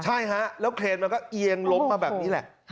ใช่ฮะแล้วเครนมันก็เอียงล้มมาแบบนี้แหละ